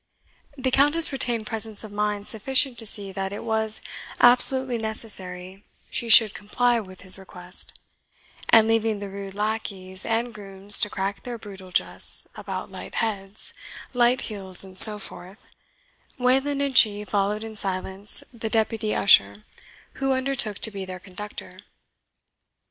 The Countess retained presence of mind sufficient to see that it was absolutely necessary she should comply with his request; and leaving the rude lackeys and grooms to crack their brutal jests about light heads, light heels, and so forth, Wayland and she followed in silence the deputy usher, who undertook to be their conductor.